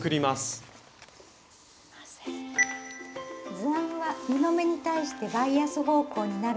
図案は布目に対してバイアス方向になるように写します。